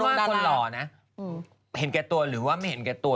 คนหล่อนะเห็นแก่ตัวหรือว่าไม่เห็นแก่ตัว